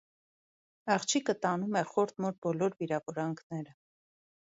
Աղջիկը տանում է խորթ մոր բոլոր վիրավորանքները։